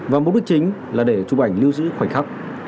và mục đích chính là để chụp ảnh lưu sửa